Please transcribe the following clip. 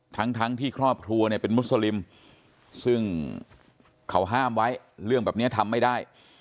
ทั้งทั้งที่ครอบครัวเนี่ยเป็นมุสลิมซึ่งเขาห้ามไว้เรื่องแบบนี้ทำไม่ได้